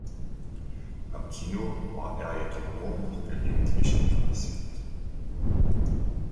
Am Kino war er jedoch nur noch gelegentlich interessiert.